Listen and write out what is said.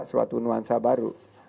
suatu nuansa baru